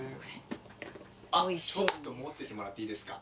あっちょっと持っててもらっていいですか？